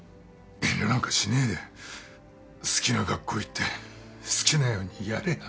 遠慮なんかしねえで好きな学校行って好きなようにやれや。